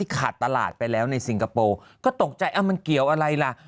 ขาดตลาดไปแล้วในสิงคโปร์ก็ตกใจมันเกี่ยวอะไรล่ะ